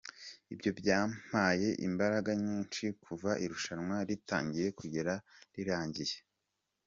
Ibyo byampaye imbaraga nyinshi kuva irushanwa ritangiye kugera rirangiye.